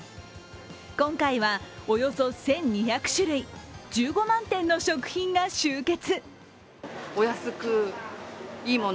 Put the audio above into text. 今回はおよそ１２００種類、１５万点の食品が集結。